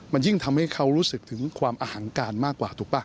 มันยิ่งทำให้เขารู้สึกถึงความอหังการมากกว่าถูกป่ะ